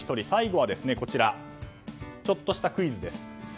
最後はちょっとしたクイズです。